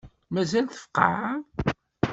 Mazal tfeqεeḍ?